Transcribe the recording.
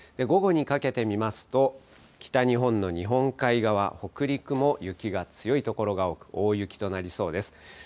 午後にかけて見ますと、北日本の日本海側、北陸も雪が強い所が多く大雪となりそうです。